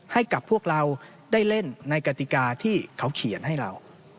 ให้กับพวกเราได้เล่นในกติกาที่เขาเขียนให้เรา